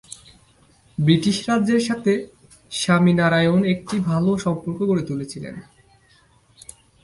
British রাজ্যের সাথে স্বামীনারায়ণ একটি ভাল সম্পর্ক গড়ে তুলেছিলেন।